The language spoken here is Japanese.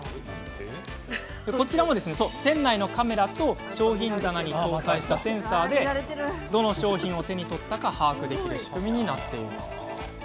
こちらも、店内のカメラと商品棚に搭載したセンサーでどの商品を手に取ったか把握できる仕組みになっています。